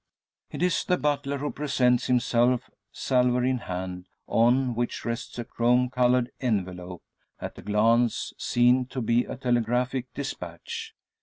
It is the butler who presents himself, salver in hand, on which rests a chrome coloured envelope at a glance seen to be a telegraphic despatch.